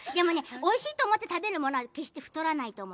おいしいと思って食べるものは決して太らないと思う。